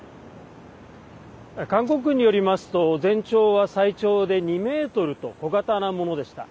韓国軍によりますと全長は最長で２ｍと小型なものでした。